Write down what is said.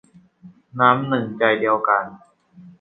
น้ำหนึ่งใจเดียวกัน